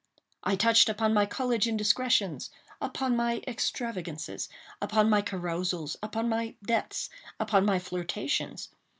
I touched upon my college indiscretions—upon my extravagances—upon my carousals—upon my debts—upon my flirtations.